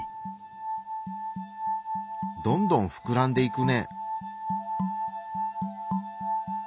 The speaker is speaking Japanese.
どんどんふくらんでいくね。